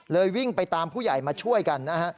วิ่งไปตามผู้ใหญ่มาช่วยกันนะฮะ